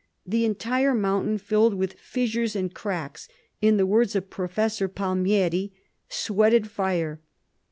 The entire mountain filled with fissures and cracks in the words of Prof. Palmieri, "sweated fire."